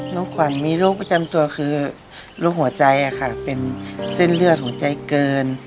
ขวัญมีโรคประจำตัวคือโรคหัวใจค่ะเป็นเส้นเลือดหัวใจเกิน